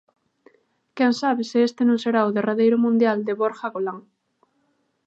Quen sabe se este non será o derradeiro mundial de Borja Golán!